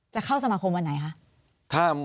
จะเข้าสมาคมวันไหนคะ